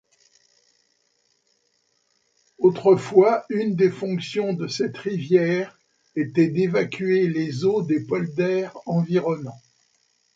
Autrefois, une des fonctions de cette rivière était d'évacuer les eaux des polders environnant.